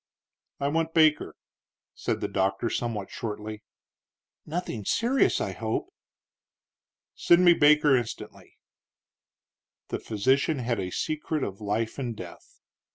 "I want Baker," said the doctor, somewhat shortly. "Nothing serious, I hope." "Send me Baker instantly." The physician had a secret of life and death.